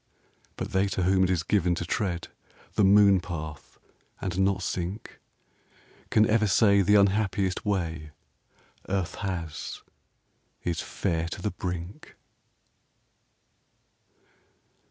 But they to whom it is given to tread The moon path and not sink Can ever say the unhappiest way Earth has is fair to the brink.